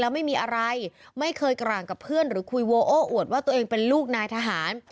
ไม่มีอะไรไม่เคยกร่างกับเพื่อนหรือคุยโวโอ้อวดว่าตัวเองเป็นลูกนายทหาร